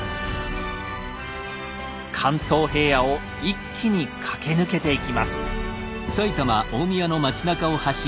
関東平野を一気に駆け抜けていきます。